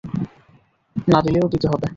না দিলেও, দিতে হবে।